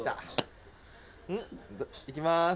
いきます。